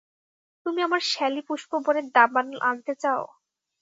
তুমি আমার শ্যালীপুষ্পবনে দাবানল আনতে চাও?